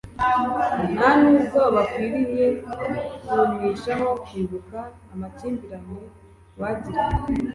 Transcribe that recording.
Nta nubwo bakwiriye kunishaho kwibuka amakimbirane bagiranye.